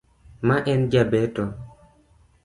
Ma en jabeto.